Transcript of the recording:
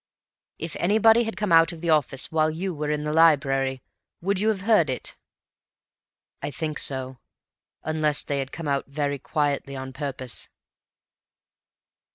"If anybody had come out of the office while you were in the library, would you have heard it?" "I think so. Unless they had come out very quietly on purpose."